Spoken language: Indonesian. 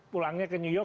pulangnya ke new york